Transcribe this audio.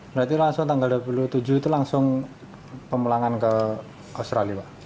berarti langsung tanggal dua puluh tujuh itu langsung pemulangan ke australia pak